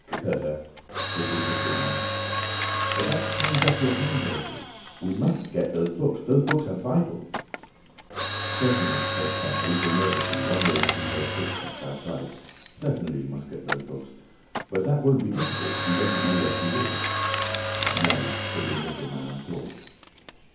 "Cur!" said the Invisible Man. "But that hangs up your plans a little." "We must get those books; those books are vital." "Certainly," said Kemp, a little nervously, wondering if he heard footsteps outside. "Certainly we must get those books. But that won't be difficult, if he doesn't know they're for you." "No," said the Invisible Man, and thought.